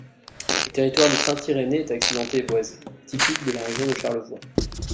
Le territoire de Saint-Irénée est accidenté et boisé, typique de la région de Charlevoix.